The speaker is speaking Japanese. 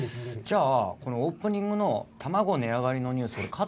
じゃあこのオープニングの卵値上がりのニュース。